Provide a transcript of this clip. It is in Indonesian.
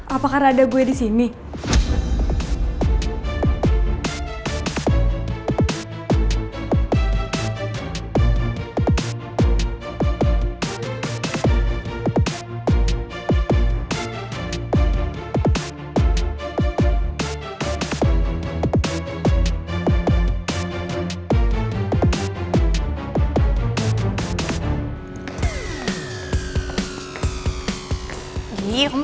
apakah ada gue yang mau pindah ke london